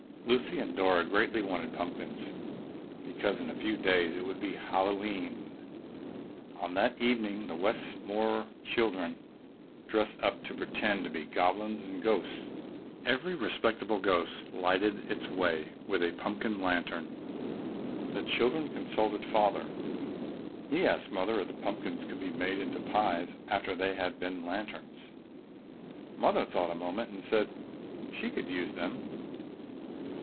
Lucy and Dora greatly wanted pumpkins because in a few days it would be Hallowe'en. On that evening the Westmore children dressed up and pretended to be goblins and ghosts. Every respectable ghost lighted its way with a pumpkin lantern. The children consulted Father. He asked Mother if the pumpkins could be made into pies after they had been lanterns. Mother thought a moment and said she could use them.